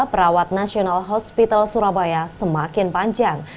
perawat nasional hospital surabaya semakin panjang